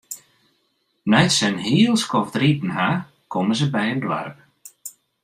Nei't se in hiel skoft riden ha, komme se by in doarp.